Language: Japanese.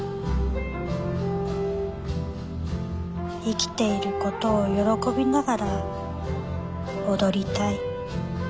生きていることを喜びながら踊りたい。